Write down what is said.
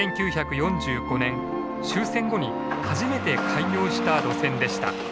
１９４５年終戦後に初めて開業した路線でした。